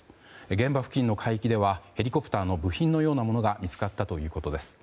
現場付近の海域ではヘリコプターの部品のようなものが見つかったということです。